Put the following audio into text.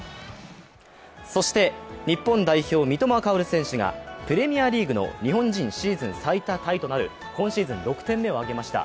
そして、日本代表・三笘薫選手がプレミアリーグの日本人シーズン最多タイとなる今シーズン６点目を挙げました。